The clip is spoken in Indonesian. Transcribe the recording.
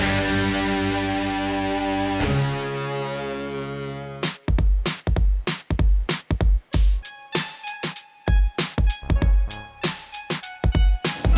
aku tuh mau liat